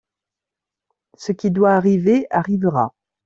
Ce qui doit arriver arrivera.